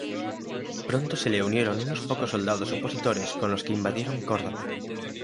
Pronto se le unieron unos pocos soldados opositores con los que invadieron Córdoba.